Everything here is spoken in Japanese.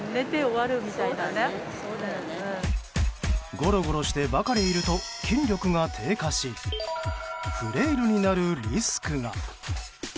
ゴロゴロしてばかりいると筋力が低下しフレイルになるリスクが。